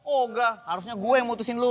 oh enggak harusnya gue yang memutusin lo